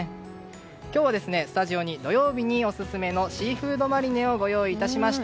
今日は土曜日にオススメのシーフードマリネをご用意いたしました。